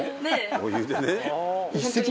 「お湯でね」